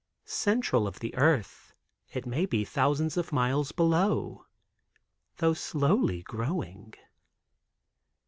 Central of the earth, it may be thousands of miles below, though slowly growing.